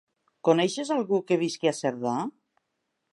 Coneixes algú que visqui a Cerdà?